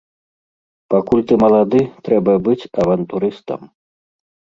Пакуль ты малады, трэба быць авантурыстам.